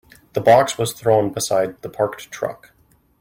The box was thrown beside the parked truck.